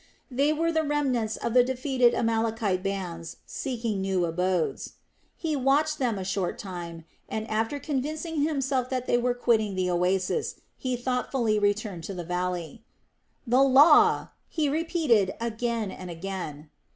They were the remnants of the defeated Amalekite bands seeking new abodes. He watched them a short time and, after convincing himself that they were quitting the oasis, he thoughtfully returned to the valley. "The law!" he repeated again and again.